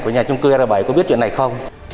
của nhà trung cư r bảy có biết chuyện này không